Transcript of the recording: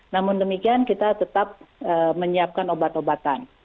namun demikian kita tetap menyiapkan obat obatan